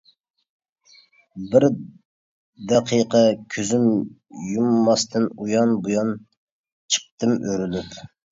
بىر دەقىقە كۆزۈم يۇمماستىن، ئۇيان-بۇيان چىقتىم ئۆرۈلۈپ.